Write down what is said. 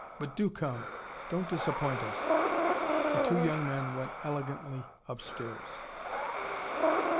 But do come. Don't disappoint us." The two young men went elegantly upstairs.